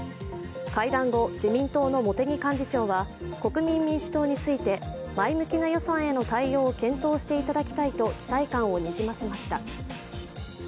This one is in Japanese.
会談後、自民党の茂木幹事長は国民民主党について前向きな予算への対応を検討していただきたいと期待感をにじませました。